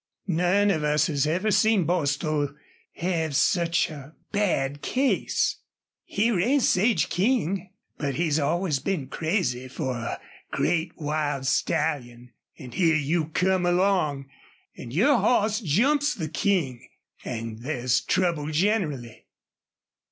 None of us ever seen Bostil have sich a bad case. He raised Sage King. But he's always been crazy fer a great wild stallion. An' here you come along an' your hoss jumps the King an' there's trouble generally."